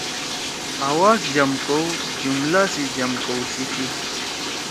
آوا ز جمع کؤ، جملا سی جم کؤ سی تھی۔